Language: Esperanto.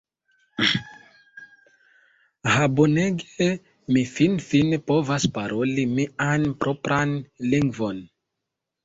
Ha bonege! Mi finfine povas paroli mian propran lingvon!